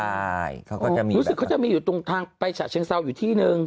เขาก็จะมีในแบบนั้นที่อืมรู้สึกเขาจะมีตรงทางไปชะเชียงเต้าอยู่ที่นึง